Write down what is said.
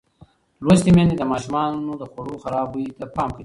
لوستې میندې د ماشومانو د خوړو خراب بوی ته پام کوي.